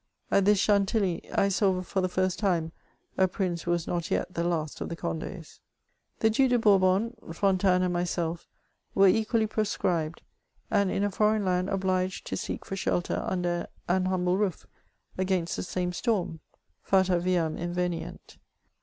At this Chantilly , I saw for the first time a prince who was not yet the last oF the Cond^s. The Due de Bourbon, Fontanes, and myself, were equally proscribed, and in a foreign land obliged to seek for shelter under an humble roof, against the same storm ! Fata viam in venient.